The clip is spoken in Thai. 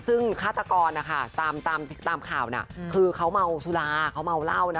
ซึ่งฆาตกรตามข่าวคือเขาเมาสุราเขาเมาเล่า